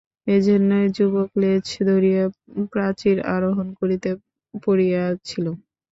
এইজন্যই যুবক লেজ ধরিয়া প্রাচীর আরোহণ করিতে পারিয়াছিল।